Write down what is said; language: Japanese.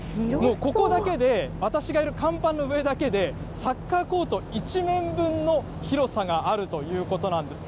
ここだけで私がいる甲板の上だけで、サッカーコート１面分の広さがあるということなんです。